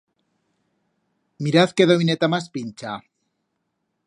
Miraz qué dovineta mas pincha!